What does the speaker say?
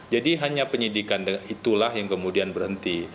jadi hanya penyidikan itulah yang kemudian berhenti